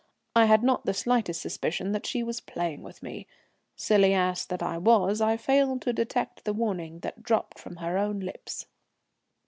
I had not the slightest suspicion that she was playing with me. Silly ass that I was, I failed to detect the warning that dropped from her own lips.